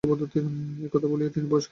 এই কথা বলিয়াই তিনি প্রবেশ করিলেন।